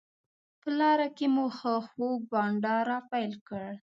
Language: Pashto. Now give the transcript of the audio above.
په لاره کې مو ښه خوږ بانډار راپیل کړ.